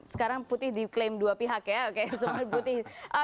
sekarang putih diklaim dua pihak ya